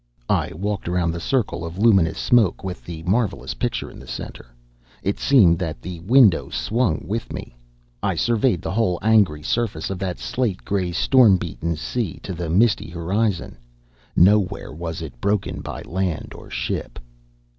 I walked around the circle of luminous smoke with the marvelous picture in the center. It seemed that the window swung with me. I surveyed the whole angry surface of that slate gray, storm beaten sea, to the misty horizon. Nowhere was it broken by land or ship.